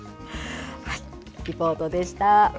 リポートでした。